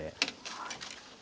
はい。